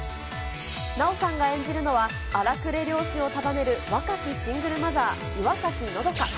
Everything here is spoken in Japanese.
奈緒さんが演じるのは、荒くれ漁師を束ねる若きシングルマザー、岩崎和佳。